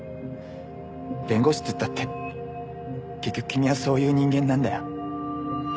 弁護士っつったって結局君はそういう人間なんだよ。